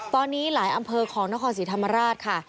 ตอนนี้หลายอำเภอของนครศรีธรรมราชค่ะ